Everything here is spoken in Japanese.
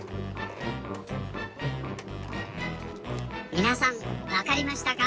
みなさんわかりましたか？